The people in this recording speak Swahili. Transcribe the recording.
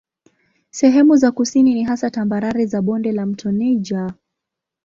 Sehemu za kusini ni hasa tambarare za bonde la mto Niger.